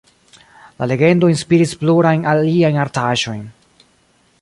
La legendo inspiris plurajn aliajn artaĵojn.